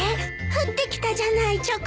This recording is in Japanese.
降ってきたじゃないチョコ！